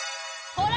ほら！